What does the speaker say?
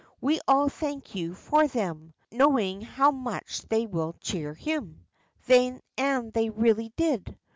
We all thank you for them, know ing how much they will cheer him." And they really did.